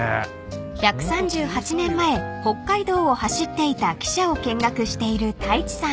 ［１３８年前北海道を走っていた汽車を見学している太一さん］